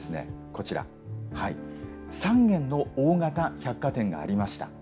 こちら３軒の大型百貨店がありました。